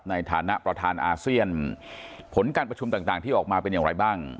ในฐานะประธานอาเซียนผลการประชุมต่างที่ออกมาเป็นอย่างไรบ้าง